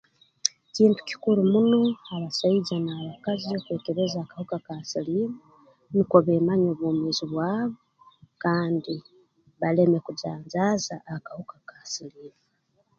Kintu kikuru muno abasaija n'abakazi okwekebeza akahuka ka siliimu nukwo beemanye obwomeezi bwabo kandi baleme kujanjaaza akahuka ka siliimu